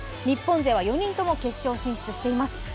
日本勢は４人とも決勝進出しています。